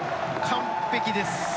完璧です。